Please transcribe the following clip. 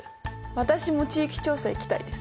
私も地域調査行きたいです。